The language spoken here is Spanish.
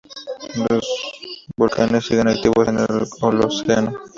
Los volcanes siguen activos en el Holoceno.